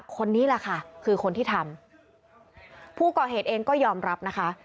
คนนี้แหละค่ะคือคนที่ทำผู้ก่อเหตุเองก็ยอมรับนะคะ